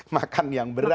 makan yang berat